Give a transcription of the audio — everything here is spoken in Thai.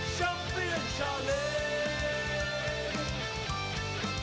ชัมพี่และชาวเล็ก